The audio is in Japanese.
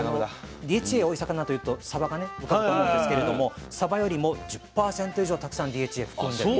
ＤＨＡ多い魚というとサバが浮かぶんですけれどもサバよりも１０％以上たくさんＤＨＡ含んでいる。